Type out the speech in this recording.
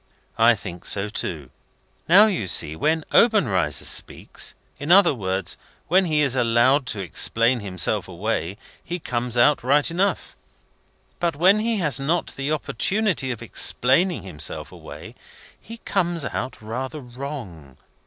"I think so too. Now, you see, when Obenreizer speaks in other words, when he is allowed to explain himself away he comes out right enough; but when he has not the opportunity of explaining himself away, he comes out rather wrong.